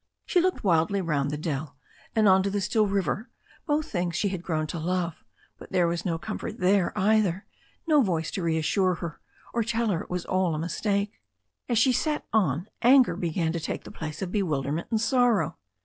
She looked wildly round the dell, and on to the still river, both things she had grown to love, but there was no comfort there either, no voice to reassure her, or tell her it was all a mistake. As she sat on anger began to take the place of bewilderment and sorrow.